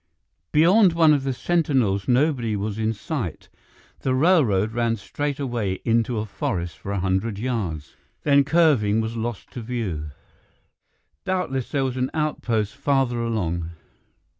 Beyond one of the sentinels nobody was in sight; the railroad ran straight away into a forest for a hundred yards, then, curving, was lost to view. Doubtless there was an outpost farther along.